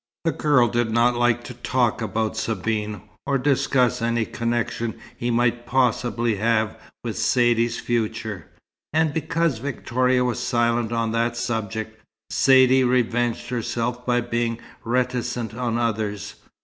The girl did not like to talk about Sabine, or discuss any connection he might possibly have with Saidee's future; and because Victoria was silent on that subject, Saidee revenged herself by being reticent on others.